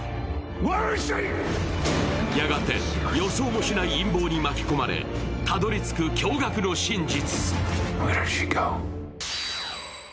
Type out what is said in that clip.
やがて予想もしない陰謀に巻き込まれ、たどり着く衝撃の真実。